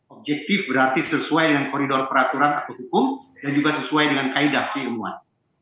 objektif berarti sesuai dengan koridor peraturan atau hukum dan juga sesuai dengan kaedah keilmuan